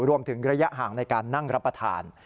รวมถึงระยะห่างในการนั่งรับประทาน